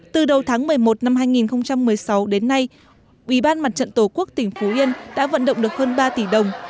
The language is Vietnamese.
từ đầu tháng một mươi một năm hai nghìn một mươi sáu đến nay ủy ban mặt trận tổ quốc tỉnh phú yên đã vận động được hơn ba tỷ đồng